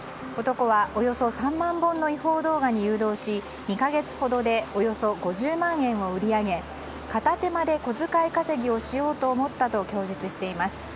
男はおよそ３万本の違法動画に誘導し２か月ほどでおよそ５０万円を売上げ片手間で小遣い稼ぎをしようと思ったと供述しています。